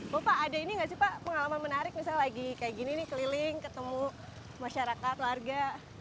bapak ada ini nggak sih pak pengalaman menarik misalnya lagi kayak gini nih keliling ketemu masyarakat warga